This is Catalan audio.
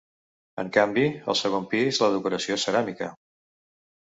En canvi, al segon pis, la decoració és ceràmica.